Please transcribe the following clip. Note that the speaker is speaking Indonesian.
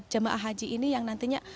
jemaah haji ini yang nantinya